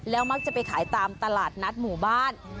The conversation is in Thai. มักจะไปขายตามตลาดนัดหมู่บ้าน